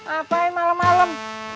apa yang malem malem